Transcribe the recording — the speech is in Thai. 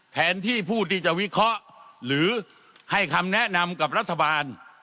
แทนที่ผู้ที่จะวิเคราะห์หรือให้คำแนะนำกับรัฐบาล